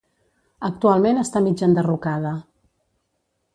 Actualment està mig enderrocada.